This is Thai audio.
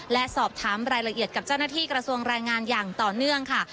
และสอบถามรายละเอียดกับเจ้าหน้าที่กระทรวงแรงงานอย่างต่อเนื่องค่ะ